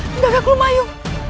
tidak aku lumayu